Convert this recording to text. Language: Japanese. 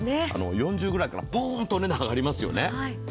４０くらいから、ポーンとお値段が上がりますよね。